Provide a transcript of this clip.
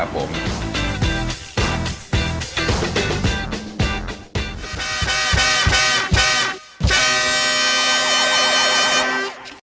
โปรดติดตามตอนต่อไป